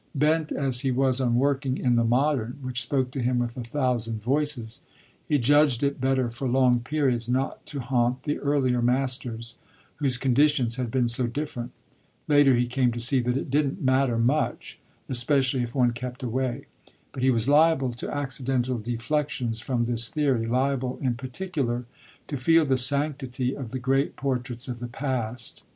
Bent as he was on working in the modern, which spoke to him with a thousand voices, he judged it better for long periods not to haunt the earlier masters, whose conditions had been so different later he came to see that it didn't matter much, especially if one kept away; but he was liable to accidental deflexions from this theory, liable in particular to feel the sanctity of the great portraits of the past.